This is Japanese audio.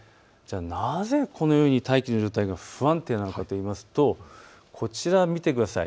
なぜこのように大気の状態が不安定なのかといいますとこちら見てください。